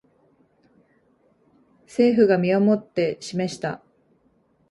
政府が身をもって示した